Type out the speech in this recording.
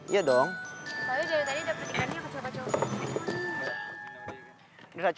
ya dong jadi tadi dapet ikannya kacau kacau